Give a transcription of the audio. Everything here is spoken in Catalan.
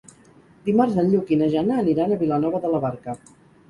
Dimarts en Lluc i na Jana aniran a Vilanova de la Barca.